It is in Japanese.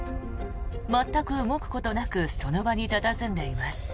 全く動くことなくその場に佇んでいます。